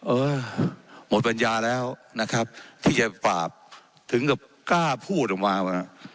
เออหมดปัญญาแล้วนะครับที่จะปราบถึงกับกล้าพูดออกมาว่า